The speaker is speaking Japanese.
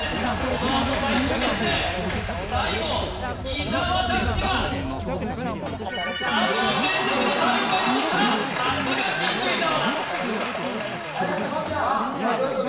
このあと最終決戦最後伊沢拓司は３問連続で最後まで残ったさすがキング伊沢はやかった言ちゃん言